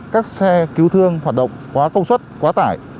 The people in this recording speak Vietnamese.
các xe cứu thương hoạt động quá công suất quá tải